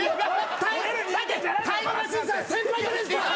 だってタイムマシーンさん先輩じゃないですか。